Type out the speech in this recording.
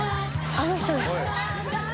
あの人です。